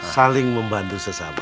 saling membantu sesama